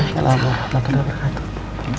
assalamualaikum warahmatullahi wabarakatuh